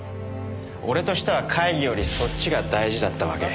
俺としては会議よりそっちが大事だったわけ。